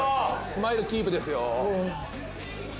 スマイルキープですよ」